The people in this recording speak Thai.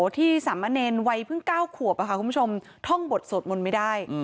ที่สามะเนรวัยเพิ่ง๙ขวบคุณผู้ชมท่องบทสวดมนต์ไม่ได้